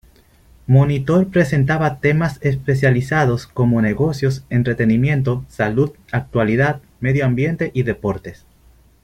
Monitor presentaba temas especializados como Negocios, Entretenimiento, Salud, Actualidad, Medio Ambiente y Deportes.